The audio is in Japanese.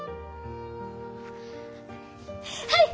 はい！